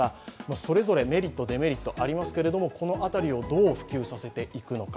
それぞれメリット、デメリットありますけど、この辺りをどう普及させていくのか。